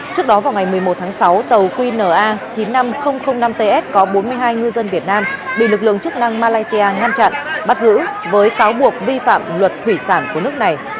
trước đó vào ngày một mươi một tháng sáu tàu qna chín mươi năm nghìn năm ts có bốn mươi hai ngư dân việt nam bị lực lượng chức năng malaysia ngăn chặn bắt giữ với cáo buộc vi phạm luật thủy sản của nước này